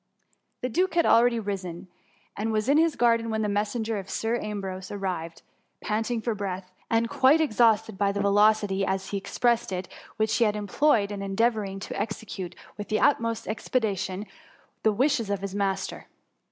" The duke had already risen, and was in bis garden, when the messenger of Sir Ambrose ar * rived panting for breath, and quite exhausted by the velocity, as he expressed it, which be had employed in endeavouring to execute with the utmost expedition, the wishes of his mas ter.